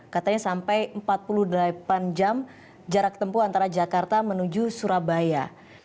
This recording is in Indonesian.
katanya sampai empat puluh delapan jam jarak tempuh antara jakarta menuju surabaya